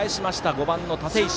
５番の立石。